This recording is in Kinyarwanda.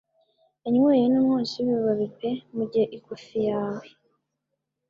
Yanyweye numwotsi wibibabi pe mugihe ikofi yawe